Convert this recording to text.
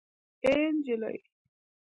اي نجلۍ